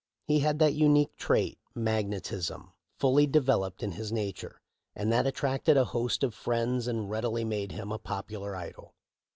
He had that unique trait, magnetism, fully developed in his nature, and that attracted a host of friends and readily made him a popular idol.